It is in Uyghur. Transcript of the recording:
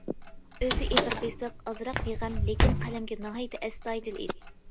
ئۆزى ئېغىر-بېسىق، ئازراق بىغەم لېكىن قەلەمگە ناھايىتى ئەستايىدىل ئىدى.